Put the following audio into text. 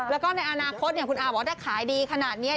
แล้วก็ในอนาคตคุณอาบอกว่าถ้าขายดีขนาดนี้